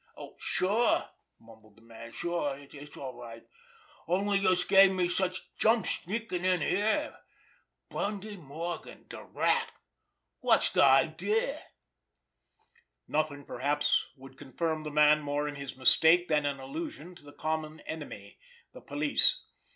"Sure!" mumbled the man. "Sure—it's all right! Only youse gave me de jumps sneakin' in here. Bundy Morgan—de Rat! Wot's de idea?" Nothing perhaps would confirm the man more in his mistake than an allusion to the common enemy—the police.